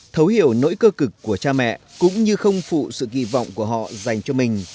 thấu hiểu nỗi cơ cực của cha mẹ cũng như không phụ sự kỳ vọng của họ dành cho mình